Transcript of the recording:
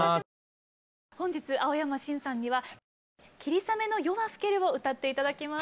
本日青山新さんには「霧雨の夜は更ける」を歌って頂きます。